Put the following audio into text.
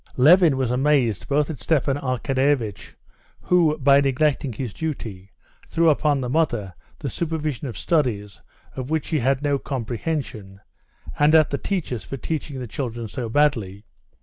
Levin was amazed both at Stepan Arkadyevitch, who, by neglecting his duty, threw upon the mother the supervision of studies of which she had no comprehension, and at the teachers for teaching the children so badly.